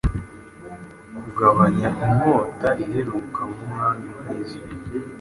kugabanya inkota iheruka nkumwami mwiza